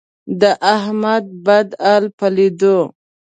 د احمد بد حال په لیدو،